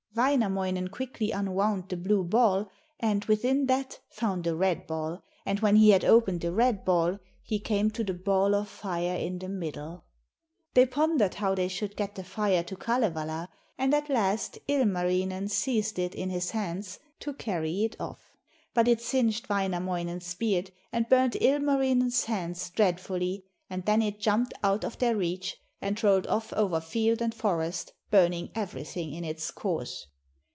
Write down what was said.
Wainamoinen quickly unwound the blue ball, and within that found a red ball, and when he had opened the red ball he came to the ball of fire in the middle. They pondered how they should get the fire to Kalevala, and at last Ilmarinen seized it in his hands to carry it off. But it singed Wainamoinen's beard and burned Ilmarinen's hands dreadfully, and then it jumped out of their reach and rolled off over field and forest, burning everything in its course.